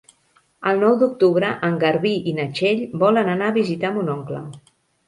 El nou d'octubre en Garbí i na Txell volen anar a visitar mon oncle.